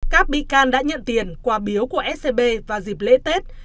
các bị can đã nhận tiền quà biếu của scb vào dịp lễ tết